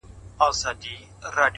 عاقل انسان له تېروتنې نه ځان نه ماتوي